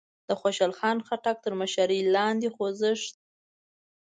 د خوشال خان خټک تر مشرۍ لاندې خوځښت